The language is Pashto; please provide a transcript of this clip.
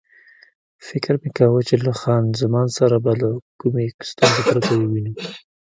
فکر مې کاوه چې له خان زمان سره به له کومې ستونزې پرته ووینو.